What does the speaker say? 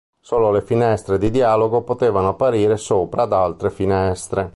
Solo le finestre di dialogo potevano apparire sopra ad altre finestre.